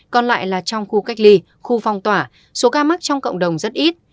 còn lại là trong khu cách ly khu phong tỏa số ca mắc trong cộng đồng rất ít